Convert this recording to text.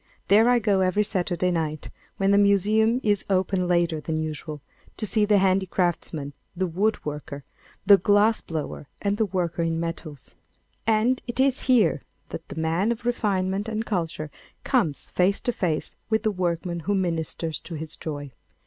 There I go every Saturday night, when the museum is open later than usual, to see the handicraftsman, the wood worker, the glass blower and the worker in metals. And it is here that the man of refinement and culture comes face to face with the workman who ministers to his joy.